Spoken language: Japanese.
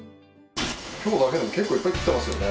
今日だけでも結構いっぱい切ってますよね？